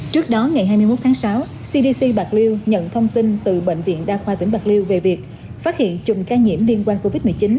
trước đó ngày hai mươi một tháng sáu cdc bạc liêu nhận thông tin từ bệnh viện đa khoa tỉnh bạc liêu về việc phát hiện chùm ca nhiễm liên quan covid một mươi chín